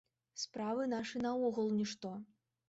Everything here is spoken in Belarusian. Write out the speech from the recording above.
Справы нашы наогул нішто.